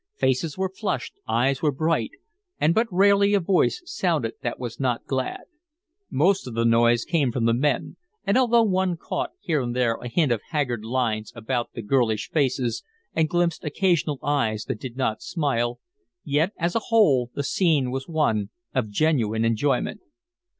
Faces were flushed, eyes were bright, and but rarely a voice sounded that was not glad. Most of the noise came from the men, and although one caught, here and there, a hint of haggard lines about the girlish faces, and glimpsed occasional eyes that did not smile, yet as a whole the scene was one of genuine enjoyment.